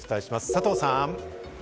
佐藤さん。